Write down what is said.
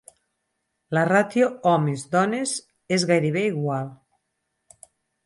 La ràtio homes-dones és gairebé igual.